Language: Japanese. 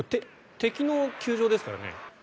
敵の球場ですからね。